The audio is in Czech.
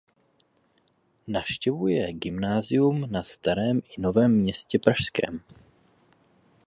Navštěvuje gymnázium na Starém i Novém Městě pražském.